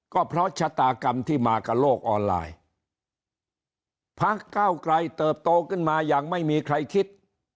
ก็เพราะชะตากรรมที่มากับโลกออนไลน์พักเก้าไกลเติบโตขึ้นมาอย่างไม่มีใครคิด